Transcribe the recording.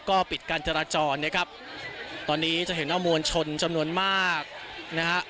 ก็ปิดการจราจรนะครับตอนนี้จะเห็นว่ามวลชนจำนวนมากนะฮะ